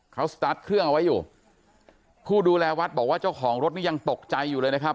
เขาสตาร์ทเครื่องเอาไว้อยู่ผู้ดูแลวัดบอกว่าเจ้าของรถนี่ยังตกใจอยู่เลยนะครับ